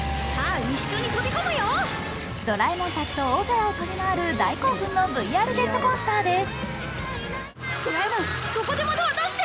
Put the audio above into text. ドラえもんたちと大空を飛び回る大興奮のＶＲジェットコースターです。